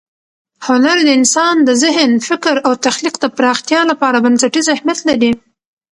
هنر د انسان د ذهن، فکر او تخلیق د پراختیا لپاره بنسټیز اهمیت لري.